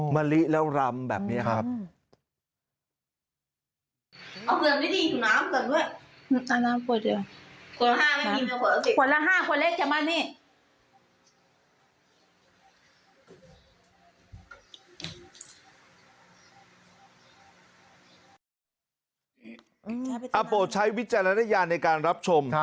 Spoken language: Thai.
มะลิแล้วรำแบบนี้ครับ